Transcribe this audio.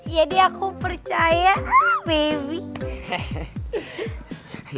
jadi aku percaya baby